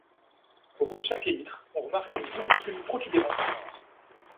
Au bout de chaque élytre, on remarque une minuscule protubérance noire.